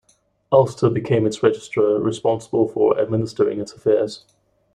Ulster became its registrar, responsible for administering its affairs.